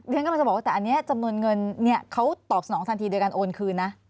ฉันกำลังจะบอกว่าแต่อันนี้จำนวนเงินเขาตอบสนองทันทีโดยการโอนคืนนะ